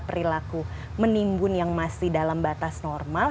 perilaku menimbun yang masih dalam batas normal